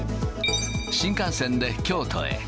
新幹線で京都へ。